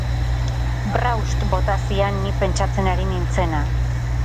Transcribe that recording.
Braust bota zian ni pentsatzen ari nintzena.